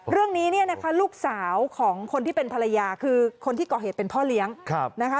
เรื่องนี้เนี่ยนะคะลูกสาวของคนที่เป็นภรรยาคือคนที่ก่อเหตุเป็นพ่อเลี้ยงนะคะ